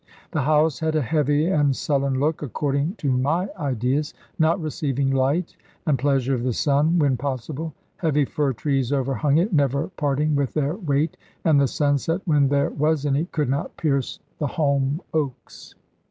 The house had a heavy and sullen look, according to my ideas, not receiving light and pleasure of the sun when possible. Heavy fir trees overhung it, never parting with their weight; and the sunset (when there was any) could not pierce the holm oaks.